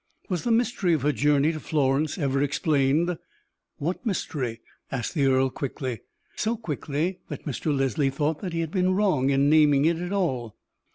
Was the mystery of her journey to Florence ever explained?" "What mystery?" asked the earl, quickly; so quickly that Mr. Leslie thought that he had been wrong in naming it at all.